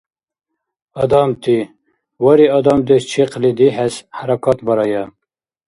Адамти, вари, адамдеш чихъли дихӀес хӀяракатбарая!